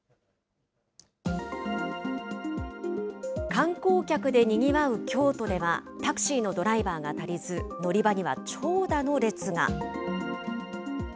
観光客でにぎわう京都では、タクシーのドライバーが足りず、乗り場には長蛇の列が。